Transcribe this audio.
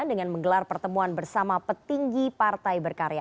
dengan menggelar pertemuan bersama petinggi partai berkarya